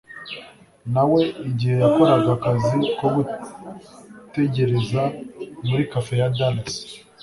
na we igihe yakoraga akazi ko gutegereza muri cafe ya dallas